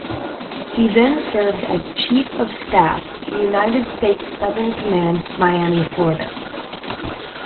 He then served as Chief of Staff, United States Southern Command, Miami, Florida.